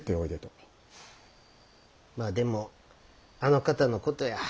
まぁでもあの方のことや。